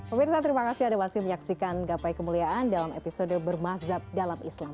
pemirsa terima kasih anda masih menyaksikan gapai kemuliaan dalam episode bermazhab dalam islam